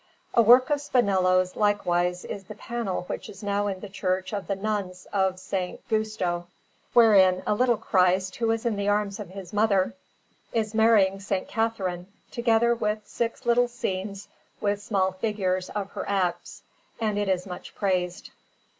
A work of Spinello's, likewise, is the panel which is now in the Church of the Nuns of S. Giusto, wherein a little Christ, who is in the arms of His mother, is marrying S. Catherine, together with six little scenes, with small figures, of her acts; and it is much praised.